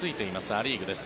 ア・リーグです。